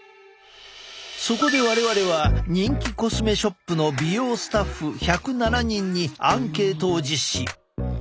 そこで我々は人気コスメショップの美容スタッフ１０７人にアンケートを実施。